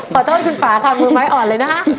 ขอโทษคุณป่าค่ะมือไม้อ่อนเลยนะคะ